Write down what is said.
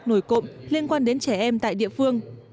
nổi cộng liên quan đến trẻ em tại địa phương